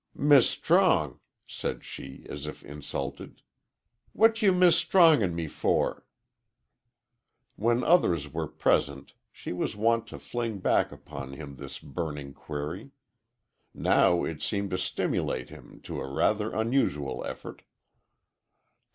"Mis' Strong!" said she, as if insulted. "What ye Mis' Strongin' me for?" When others were present she was wont to fling back upon him this burning query. Now it seemed to stimulate him to a rather unusual effort.